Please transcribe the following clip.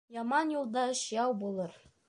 Яман юлдаш яу булыр